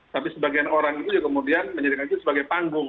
tapi sebagian orang itu kemudian menyediakan itu sebagai panggung